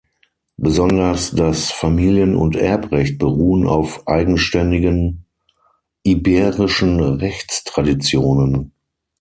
Besonders das Familien- und Erbrecht beruhen auf eigenständigen iberischen Rechtstraditionen.